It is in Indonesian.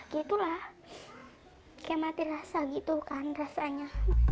kayak mati rasa gitu kan rasanya